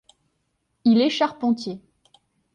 Il est charpentier.